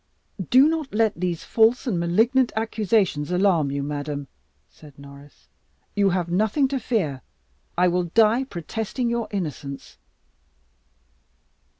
"Do not let these false and malignant accusations alarm you, madam," said Norri. "You have nothing to fear. I will die protesting your innocence."